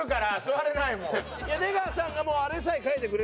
出川さんがもうあれさえ書いてくれれば。